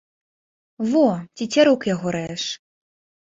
Во, цецярук яго рэж.